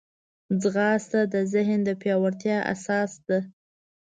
ځغاسته د ذهن د پیاوړتیا اساس ده